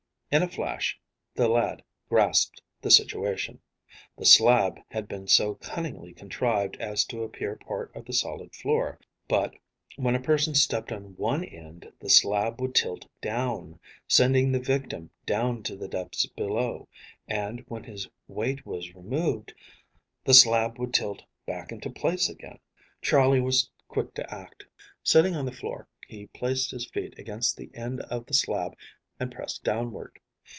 In a flash, the lad grasped the situation. The slab had been so cunningly contrived as to appear part of the solid floor, but, when a person stepped on one end the slab would tilt down, sending the victim down to the depths below, and, when his weight was removed, the slab would tilt back into place again. Charley was quick to act. Sitting down on the floor, he placed his feet against the end of the slab and pressed downward.